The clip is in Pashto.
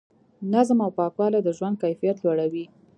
نظم او پاکوالی د ژوند کیفیت لوړوي.